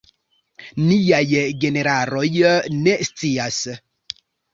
Niaj generaloj ne scias!